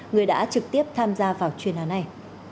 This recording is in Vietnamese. người đã trực tiếp tham gia vào chuyên án này